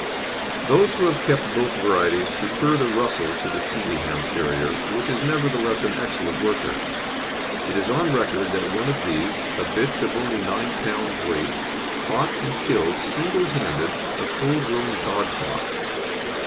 Those who have kept both varieties prefer the Russell to the Sealyham Terrier, which is nevertheless an excellent worker. It is on record that one of these, a bitch of only 9 lb. weight, fought and killed, single handed, a full grown dog fox.